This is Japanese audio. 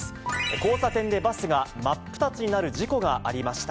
交差点でバスが真っ二つになる事故がありました。